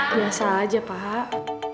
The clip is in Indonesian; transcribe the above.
biasa aja pak